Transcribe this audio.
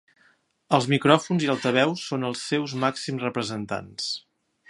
Els micròfons i altaveus són els seus màxims representants.